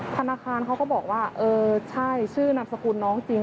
ธนาคารเขาก็บอกว่าเออใช่ชื่อนามสกุลน้องจริง